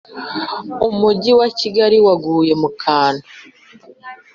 umugi wa Kigali waguye mu kantu